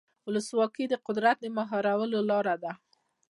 ولسواکي د قدرت د مهارولو لاره ده.